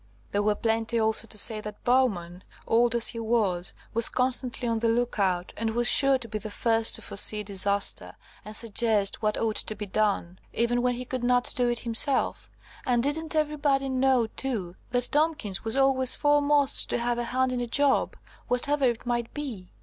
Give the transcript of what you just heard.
There were plenty also to say that Bowman, old as he was, was constantly on the look out, and was sure to be the first to foresee a disaster, and suggest what ought to be done, even when he could not do it himself; and didn't everybody know, too, that Tomkins was always foremost to have a hand in a job, whatever it might be?